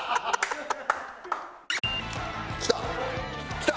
きた！